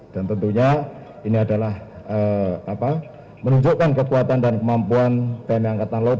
dan tentunya ini adalah menunjukkan kekuatan dan kemampuan tni angkatan laut